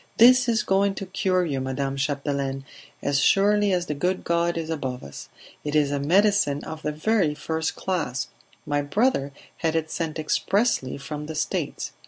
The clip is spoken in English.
"This is going to cure you, Madame Chapdelaine, as surely as the good God is above us. It is a medicine of the very first class; my brother had it sent expressly from the States.